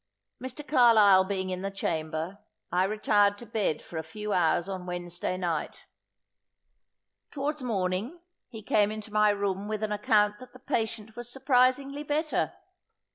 Mr. Carlisle being in the chamber, I retired to bed for a few hours on Wednesday night. Towards morning he came into my room with an account that the patient was surprisingly better.